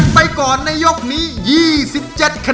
น้องไมโครโฟนจากทีมมังกรจิ๋วเจ้าพญา